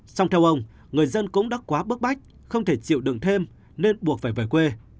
xong theo ông người dân cũng đã quá bức bách không thể chịu đường thêm nên buộc phải về quê